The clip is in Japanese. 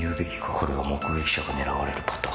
「これは目撃者が狙われるパターン。